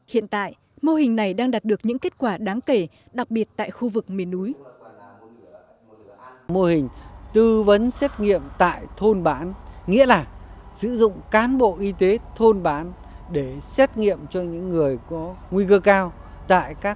hiện tại mô hình này đang đạt được những kết quả đáng kể đặc biệt tại khu vực miền núi